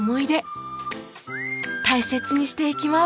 大切にしていきます。